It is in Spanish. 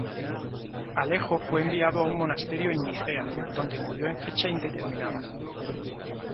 Alejo fue enviado a un monasterio en Nicea, donde murió en fecha indeterminada.